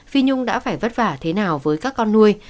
phi nhung đã phải vất vả thế nào với các con nuôi